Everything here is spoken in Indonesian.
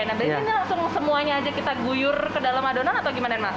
nah berarti ini langsung semuanya aja kita guyur ke dalam adonan atau gimana mas